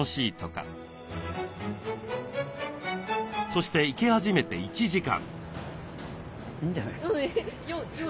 そして生け始めて１時間。